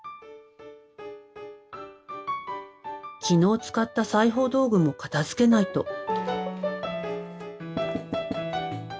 昨日使った裁縫道具も片づけないと。